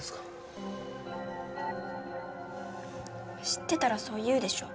知ってたらそう言うでしょ。